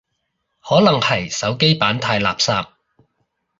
可能係手機版太垃圾